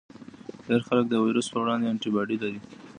ډیری خلک د ویروس پر وړاندې انټي باډي لري.